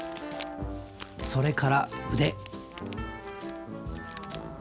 それから腕。